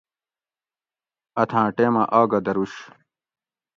اتھاں ٹیمہ آگہ دروش